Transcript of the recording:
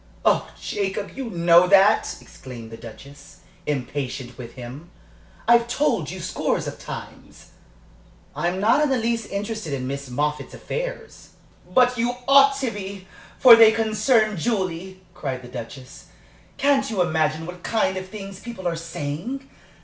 Oh, Jacob, you know that!" exclaimed the Duchess, impatient with him. "I've told you scores of times." "I'm not in the least interested in Miss Moffatt's affairs." "But you ought to be, for they concern Julie," cried the Duchess. "Can't you imagine what kind of things people are saying?